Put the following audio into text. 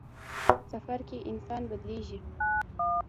سفر کې انسان بدلېږي.